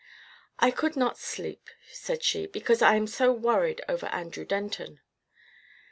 "I could not sleep," said she, "because I am so worried over Andrew Denton."